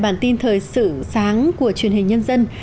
bản tin thời sự sáng của truyền hình nhân dân